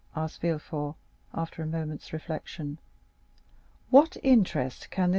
asked Villefort, after a moment's reflection, "what interest can this M.